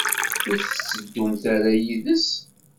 Ur tetteddumt ara yid-s?